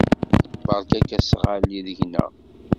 Berka asɣalli deg-neɣ.